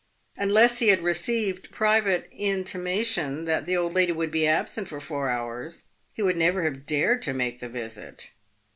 Unless he had received private intimation that the old lady would be absent for four hours he would never have dared to make the visit.